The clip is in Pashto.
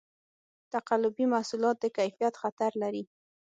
تقلبي محصولات د کیفیت خطر لري.